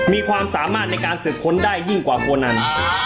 มีความสามารถในการสืบค้นได้ยิ่งกว่าโคนอัน